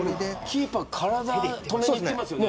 キーパー体で止めてますよね。